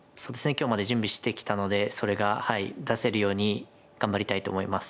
今日まで準備してきたのでそれがはい出せるように頑張りたいと思います。